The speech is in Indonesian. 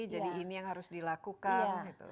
jadi ini yang harus dilakukan